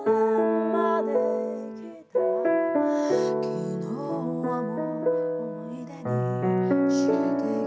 「昨日はもう思い出にしてきた」